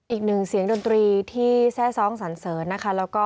อีกหนึ่งเสียงดนตรีที่แทร่ซ้องสันเสริญนะคะ